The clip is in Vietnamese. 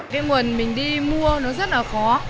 cái nguồn mình đi mua nó rất là khó